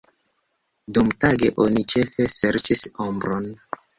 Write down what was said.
Dumtage oni ĉefe serĉis ombron.